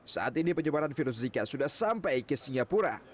saat ini penyebaran virus zika sudah sampai ke singapura